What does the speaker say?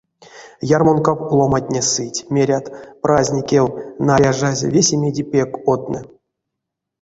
Ярмонкав ломантне сыть, мерят, праздникев, наряжазь, весемеде пек одтнэ.